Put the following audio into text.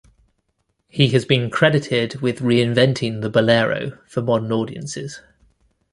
He has been credited with reinventing the bolero for modern audiences.